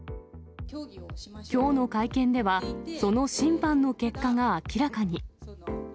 きょうの会見では、その審判の結果が明らかに。